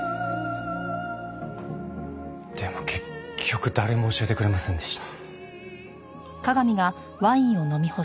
でも結局誰も教えてくれませんでした。